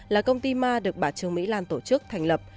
là công ty ma được bà trương mỹ lan tổ chức thành lập